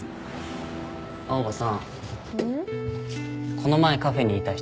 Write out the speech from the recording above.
この前カフェにいた人。